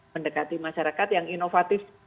mendekati masyarakat yang inovatif